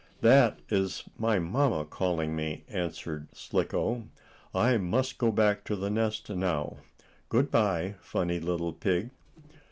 "That is my mamma calling me," answered Slicko. "I must go back to the nest now. Good bye, funny little pig."